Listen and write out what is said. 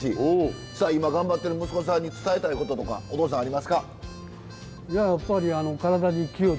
さあ今頑張ってる息子さんに伝えたいこととかお父さんありますか？